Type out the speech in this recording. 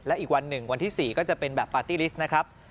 และอีกวันหนึ่งวันที่๔ก็จะเป็นแบบปาร์ตี้ลิสต์นะครับ